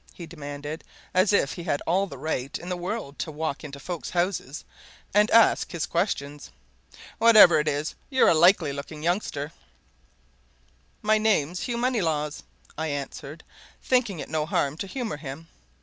he demanded, as if he had all the right in the world to walk into folks' houses and ask his questions. "Whatever it is, you're a likely looking youngster!" "My name's Hugh Moneylaws," I answered, thinking it no harm to humour him.